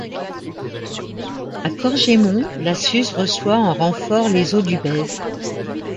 À Corgémont, la Suze reçoit en renfort les eaux du Bez.